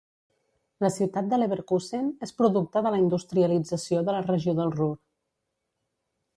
La ciutat de Leverkusen és producte de la industrialització de la Regió del Ruhr.